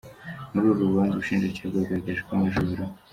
Muri uru rubanza ubushinjacyaha bwagaragaje ko Maj.